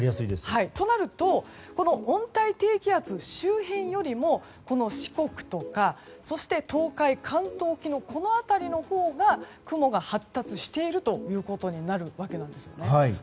となると、温帯低気圧周辺よりもこの四国とかそして、東海・関東沖のこの辺りのほうが雲が発達しているということになるわけなんです。